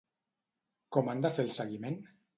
Com han de fer el seguiment?